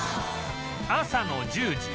朝の１０時